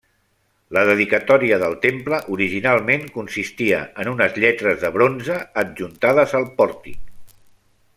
La dedicatòria del temple originalment consistia en unes lletres de bronze adjuntades al pòrtic.